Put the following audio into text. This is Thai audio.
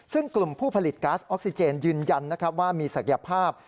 ซึ่งกลุ่มผู้ผลิตก๊าซออกซิเจนยืนยันว่ามีศักยภาพ